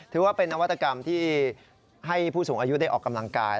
ถือว่าเป็นนวัตกรรมที่ให้ผู้สูงอายุได้ออกกำลังกาย